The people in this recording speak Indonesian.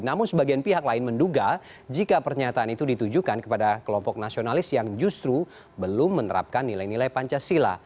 namun sebagian pihak lain menduga jika pernyataan itu ditujukan kepada kelompok nasionalis yang justru belum menerapkan nilai nilai pancasila